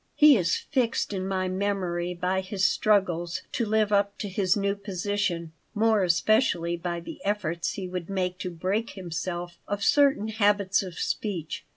He is fixed in my memory by his struggles to live up to his new position, more especially by the efforts he would make to break himself of certain habits of speech.